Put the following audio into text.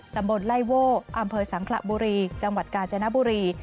ตำบลไล่โว่อำเภอสังขระบุรีจังหวัดกาญจนบุรี